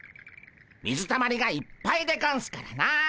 水たまりがいっぱいでゴンスからな。